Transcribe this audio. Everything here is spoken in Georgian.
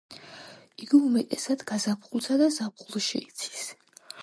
იგი უმეტესად გაზაფხულსა და ზაფხულში იცის.